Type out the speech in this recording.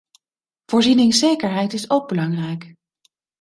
Voorzieningszekerheid is ook belangrijk.